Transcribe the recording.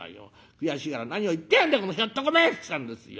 悔しいから『何を言ってやがんだこのひょっとこめ！』って言ったんですよ。